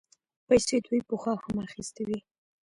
پيسې دوی پخوا هم اخيستې وې.